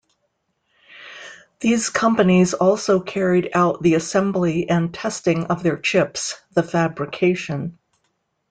These companies also carried out the assembly and testing of their chips, the fabrication.